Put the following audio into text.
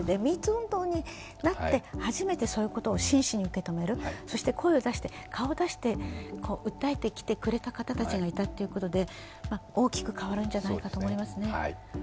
運動になって初めてそのことを真摯に受け止める、そして声を出して、顔を出して訴えてきてくれた方たちがいたということで大きく変わるんじゃないかと思いますね。